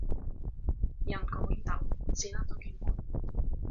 jan Kowinta o, sina toki pona.